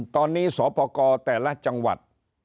ตอนนี้สปกรแต่ละจังหวัด